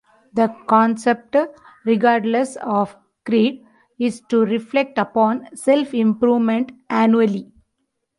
The concept, regardless of creed, is to reflect upon self-improvement annually.